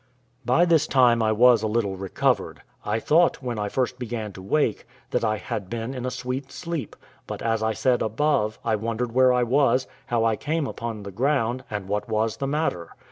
By this time I was a little recovered. I thought, when I first began to wake, that I had been in a sweet sleep; but, as I said above, I wondered where I was, how I came upon the ground, and what was the matter.